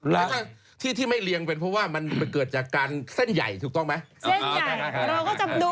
แล้วก็ที่ที่ไม่เรียงเป็นเพราะว่ามันเกิดจากการเส้นใหญ่ถูกต้องไหม